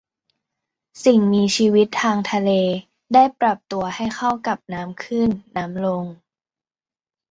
สิ่งมีชีวิตทางทะเลได้ปรับตัวให้เข้ากับน้ำขึ้นน้ำลง